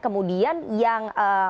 kemudian yang mengapasnya